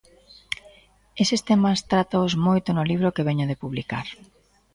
Eses temas trátoos moito no libro que veño de publicar.